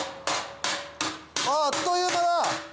ああっという間だ！